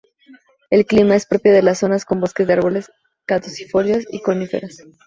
El clima es propio de las zonas con bosques de árboles caducifolios y coníferas.